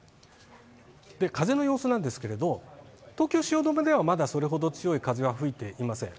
風の様子なんですけれど、東京・汐留では、まだそれほど強い風は吹いていません。